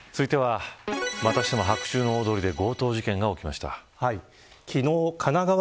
続いては、またしても白昼の大通りで強盗事件が起きました。